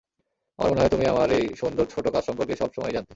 আমার মনে হয় তুমি আমার এই সুন্দর ছোট কাজ সম্পর্কে সব সময়ই জানতে।